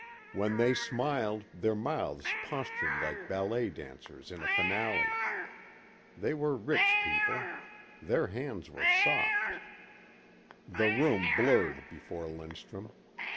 When they smiled their mouths postured like ballet dancers in a finale. They were rich people. Their hands were soft. The room blurred before Lindstrum.